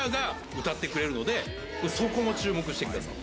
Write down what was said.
そこも注目してください。